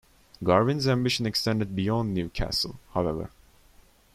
Garvin's ambition extended beyond Newcastle, however.